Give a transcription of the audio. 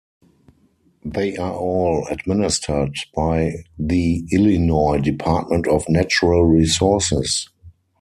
They are all administered by the Illinois Department of Natural Resources.